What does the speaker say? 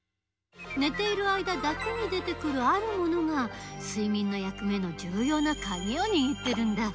寝ている間だけに出てくるあるものが睡眠の役目のじゅうようなカギをにぎってるんだ。